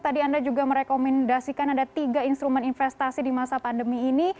tadi anda juga merekomendasikan ada tiga instrumen investasi di masa pandemi ini